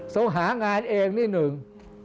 เราหางานเองนี่หนึ่ง